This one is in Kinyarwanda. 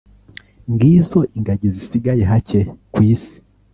ngizo ingagi zisigaye hake ku isi